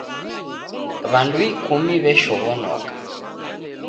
W'andu ikumi w'eshoghonoka.